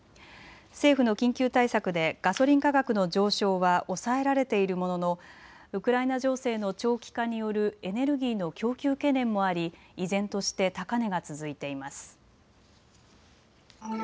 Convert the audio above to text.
政府の緊急対策でガソリン価格の上昇は抑えられているもののウクライナ情勢の長期化によるエネルギーの供給懸念もあり依然として高値が続いています。